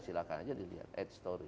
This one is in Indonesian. silahkan aja dilihat ad story